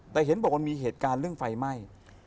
แต่เห็นบอกว่ามีเหตุการณ์เรื่องไฟไหม้